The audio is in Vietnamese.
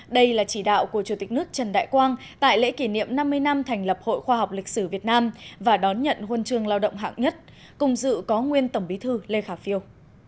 đây là chỉ đạo của chủ tịch nước trần đại quang tại lễ kỷ niệm năm mươi năm thành lập hội khoa học lịch sử việt nam và đón nhận huân chương lao động hạng nhất cùng dự có nguyên tổng bí thư lê khả phiêu